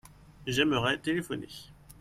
J'aimerais téléphoner.